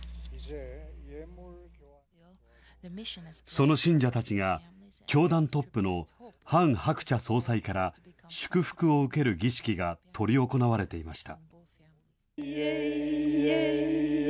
その信者たちが、教団トップのハン・ハクチャ総裁から、祝福を受ける儀式が執り行われていました。